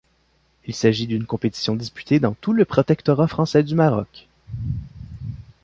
Il s'agit d'une compétition disputée dans tout le protectorat français du Maroc.